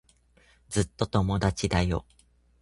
ずっと友達だよ。